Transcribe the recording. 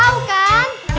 iya jelas ustazah tahu